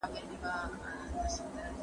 زه به د کور کارونه کړي وي!؟